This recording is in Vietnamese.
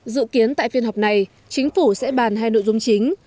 dự kiến tại phiên họp này chính phủ sẽ bàn hai nội dung chính